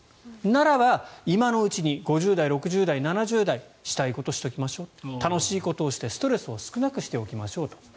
ならば今のうちに５０代、６０代、７０代したいことをしておきましょう楽しいことをしてストレスを少なくしておきましょうと。